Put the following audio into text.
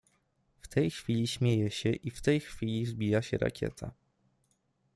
W tej chwili śmieje się i w tej chwili wzbija się rakieta.